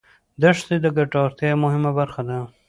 دښتې د ګټورتیا یوه مهمه برخه ده.